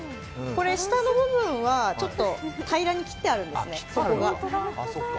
下の部分は平らに切ってあるんですね。